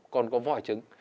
còn có vòi trứng